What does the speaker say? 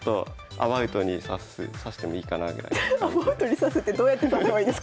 アバウトに指すってどうやって指せばいいんですか先生。